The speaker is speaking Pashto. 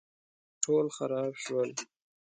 ټول خراب شول